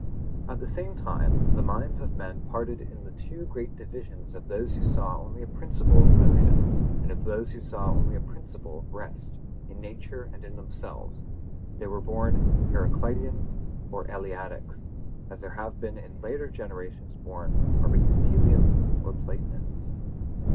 At the same time, the minds of men parted into the two great divisions of those who saw only a principle of motion, and of those who saw only a principle of rest, in nature and in themselves; there were born Heracliteans or Eleatics, as there have been in later ages born Aristotelians or Platonists.